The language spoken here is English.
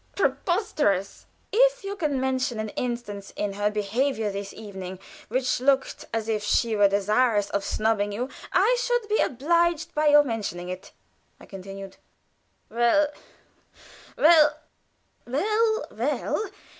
"Pre pos ter ous!" "If you can mention an instance in her behavior this evening which looked as if she were desirous of snubbing you, I should be obliged by your mentioning it," I continued: "Well well " "Well well.